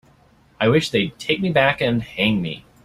I wish they'd take me back and hang me.